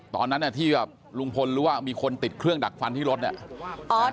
ตอนนั้นที่แบบลุงพลรู้ว่ามีคนติดเครื่องดักฟันที่รถเนี่ย